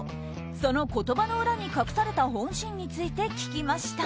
その言葉の裏に隠された本心について聞きました。